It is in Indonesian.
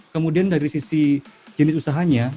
kemudian dari sisi jenis usahanya